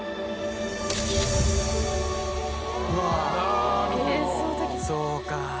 うわそうか。